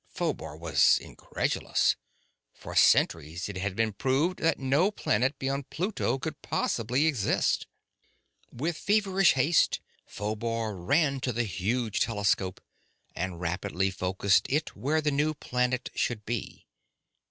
Phobar was incredulous. For centuries it had been proved that no planet beyond Pluto could possibly exist. With feverish haste, Phobar ran to the huge telescope and rapidly focused it where the new planet should be.